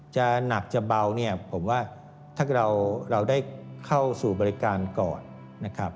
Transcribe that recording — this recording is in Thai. จะหนักจะเบาเนี่ยผมว่าถ้าเราได้เข้าสู่บริการก่อนนะครับ